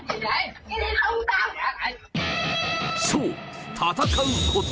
そう、戦うこと。